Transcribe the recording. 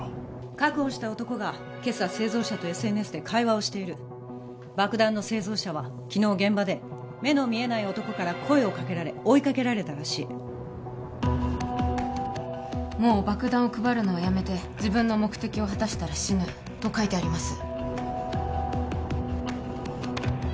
確保した男が今朝製造者とＳＮＳで会話をしている爆弾の製造者は昨日現場で目の見えない男から声をかけられ追いかけられたらしいもう爆弾を配るのはやめて自分の目的を果たしたら死ぬと書いてあります